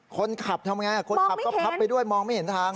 คนขับทำไงคนขับก็พับไปด้วยมองไม่เห็นทาง